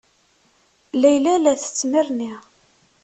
Layla la tettnerni.